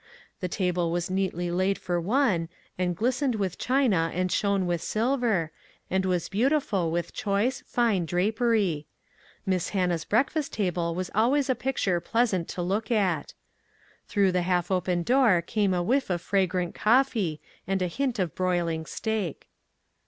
The table was neatly laid for one, and glistened with china and shone with sil ver, and was beautiful with choice, fine drap ery ; Miss Hannah's breakfast table was always a picture pleasant to look at. Through the half open door came a whiff of fragrant coffee, and a hint of broiling steak.